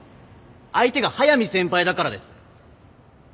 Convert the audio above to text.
相手が速見先輩だからです。